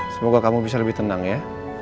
semoga kamu bisa lebih tenang ya